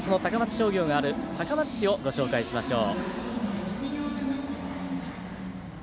商業がある高松市をご紹介しましょう。